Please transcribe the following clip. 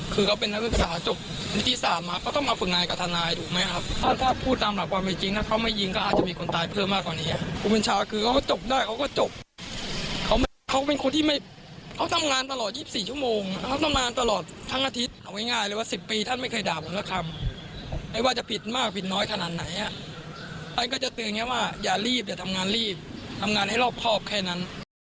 ใครก็จะตื่นอย่างนี้ว่าอย่ารีบอย่าทำงานรีบทำงานให้รอบครอบแค่นั้น